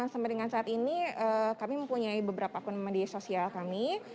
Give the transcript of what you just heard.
sampai dengan saat ini kami mempunyai beberapa akun media sosial kami